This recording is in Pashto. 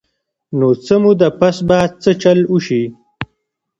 نو څۀ موده پس به څۀ چل اوشي -